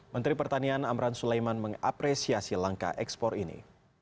menteri pertanian amran sulaiman mengapresiasi langkah ekspor ini